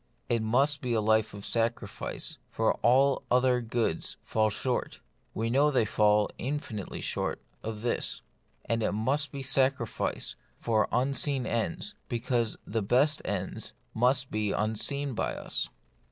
It must be a life of sacrifice, for all other goods fall short — we know they fall infinitely short — of this ; and it must be sac rifice for unseen ends, because the best ends must be unseen by us.